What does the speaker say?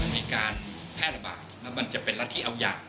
มีการแพร่ระบาดแล้วมันจะเป็นรัฐที่เอาอย่าง